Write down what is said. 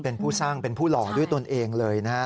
เป็นผู้สร้างเป็นผู้หล่อด้วยตนเองเลยนะครับ